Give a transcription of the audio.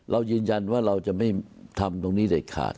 เรายืนยันว่าเราจะไม่ทำตรงนี้เด็ดขาด